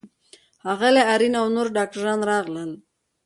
ښاغلی آرین او نورو ډاکټرانو راغلل.